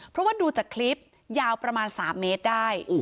เพราะว่าดูจากคลิปยาวประมาณ๓เมตรได้